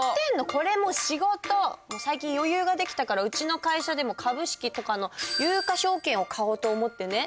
最近余裕ができたからうちの会社でも株式とかの有価証券を買おうと思ってね